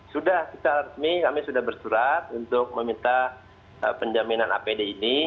sudah secara resmi kami sudah bersurat untuk meminta penjaminan apd ini